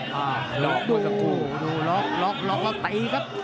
โหดูล็อคล็อคล็อคแล้วไตครับ